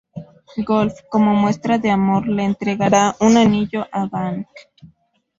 Golf, como muestra de amor, le entregará un anillo a Bank.